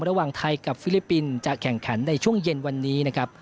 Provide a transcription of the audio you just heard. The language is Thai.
ระหว่างไทยกับฟิลิปปินส์จะแข่งขันในช่วงเย็นวันนี้นะครับ